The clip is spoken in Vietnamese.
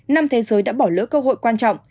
năm thế giới đã bỏ lỡ cơ hội quan trọng